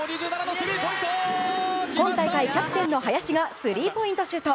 今大会キャプテンの林がスリーポイントシュート。